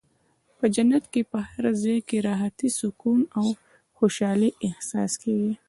په جنت کې په هر ځای کې د راحتۍ، سکون او خوشحالۍ احساس کېږي.